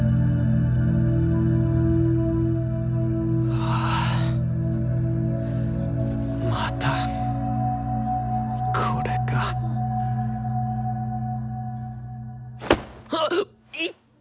ああまたこれかはっいっ！